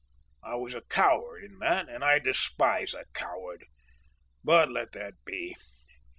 I was a coward in that and I despise a coward, but let that be.